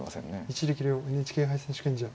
一力遼ＮＨＫ杯選手権者